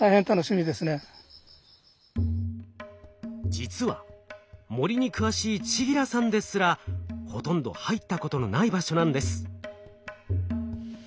実は森に詳しい千木良さんですらほとんど入ったことのない場所なんです。